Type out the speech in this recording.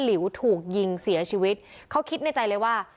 หลิวถูกยิงเสียชีวิตเขาคิดในใจเลยว่า